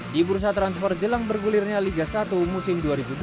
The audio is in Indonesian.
di bursa transfer jelang bergulirnya liga satu musim dua ribu dua dua ribu dua puluh tiga